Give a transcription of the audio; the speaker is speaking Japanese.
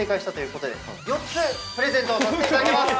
４つプレゼントさせていただきます。